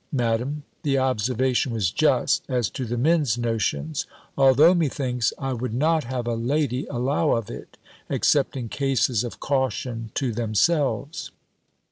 Madam, the observation was just, as to the men's notions; although, methinks, I would not have a lady allow of it, except in cases of caution to themselves.